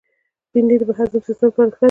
بېنډۍ د هضم سیستم لپاره ښه ده